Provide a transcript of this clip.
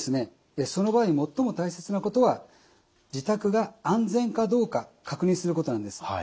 その場合に最も大切なことは自宅が安全かどうか確認することなんです。